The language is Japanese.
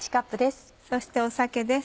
そして酒です。